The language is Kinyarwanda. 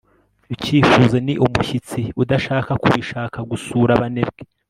icyifuzo ni umushyitsi udashaka kubishaka gusura abanebwe